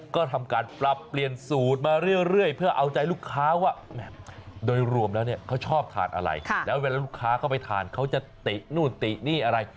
ก็ทำการปรับเปลี่ยนสูตรมาเรื่อยเพื่อเอาใจลูกค้าว่าโดยรวมแล้วเนี่ยเขาชอบทานอะไรแล้วเวลาลูกค้าเข้าไปทานเขาจะตินู่นตินี่อะไร